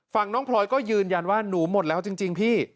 ฝั่งน้องพลอยก็ยืนยันว่าหนูหมดแล้วจริงพี่